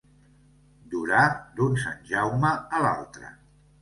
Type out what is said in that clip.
Durar d'un sant Jaume a l'altre.